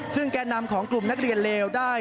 ซึ่งแก่นำของกลุ่มนักเรียนเลวได้